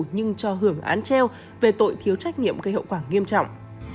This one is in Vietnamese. nhưng cho hưởng án treo về tội thiếu trách nhiệm gây hậu quả nghiêm trọng